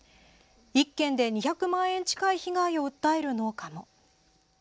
１軒で２００万円近い被害を訴える農家も。